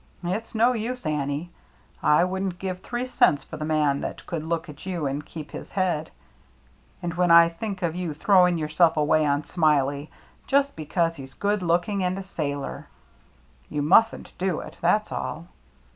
It's no use, Annie. I wouldn't give three cents for the man that could look at you and keep his head. And when I think of you throwing yourself away on Smiley, just because he's good looking and a sailor — you mustn't do it, that's all.